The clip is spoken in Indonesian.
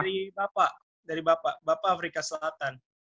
dari bapak dari bapak bapak afrika selatan